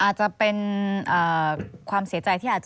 อาจจะเป็นความเสียใจที่อาจจะ